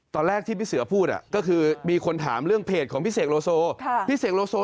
ตอนแรกที่พี่เสือพูดก็คือมีคนถามเรื่องเพจของพี่เสกโลโซพี่เสกโลโซ